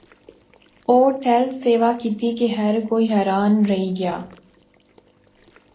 او ٹہل سیوا کیتی کہ ہر کوئی حیران رہی گیا